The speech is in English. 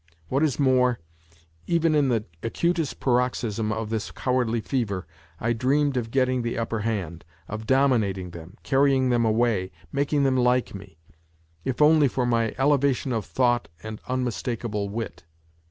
What is more, even in the acutest paroxysm of this cowardly fever, I dreamed of getting the upper hand, of dominating them, carrying them away, making them like me if only for my " elevation of thought and unmistakable wit."